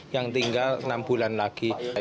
yang tinggal enam bulan lagi